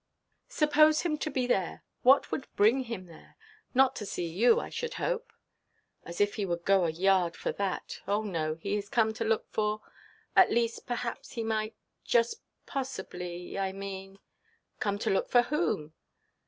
"Suppose him to be there. What would bring him there? Not to see you, I should hope?" "As if he would go a yard for that! Oh no, he is come to look for—at least, perhaps he might, just possibly, I mean——" "Come to look for whom?"